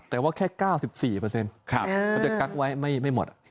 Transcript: แต่ว่าแค่๙๔เขาจะกั๊กไว้ไม่หมด